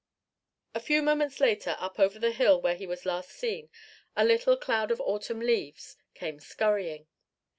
A few moments later up over the hill where he was last seen a little cloud of autumn leaves came scurrying.